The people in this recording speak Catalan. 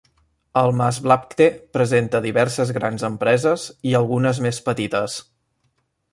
El Maasvlakte presenta diverses grans empreses i algunes més petites.